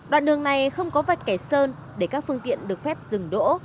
đoạn đường này không có vạch kẻ sơn để các phương tiện được phép dừng đỗ